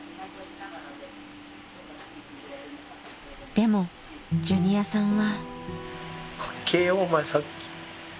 ［でもジュニアさんは］